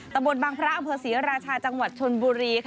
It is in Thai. ตะบนบางพระอำเภอศรีราชาจังหวัดชนบุรี